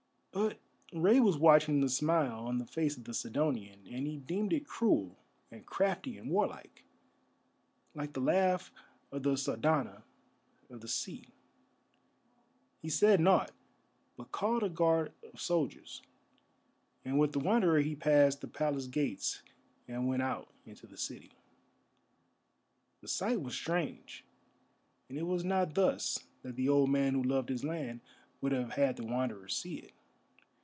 But Rei was watching the smile on the face of the Sidonian, and he deemed it cruel and crafty and warlike, like the laugh of the Sardana of the sea. He said nought, but called a guard of soldiers, and with the Wanderer he passed the Palace gates and went out into the city. The sight was strange, and it was not thus that the old man, who loved his land, would have had the Wanderer see it.